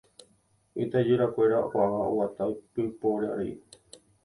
Itajyrakuéra ko'ág̃a oguata ipypore ári.